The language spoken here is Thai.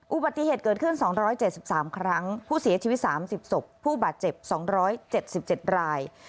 อุบัติเหตุเกิดขึ้น๒๗๓ครั้งผู้เสียชีวิต๓๐ศพผู้บาดเจ็บ๒๗๗ราย